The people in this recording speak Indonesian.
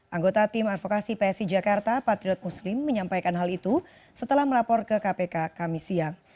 anggota tim advokasi psi jakarta patriot muslim menyampaikan hal itu setelah melapor ke kpk kami siang